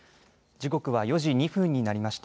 時刻は４時２分になりました。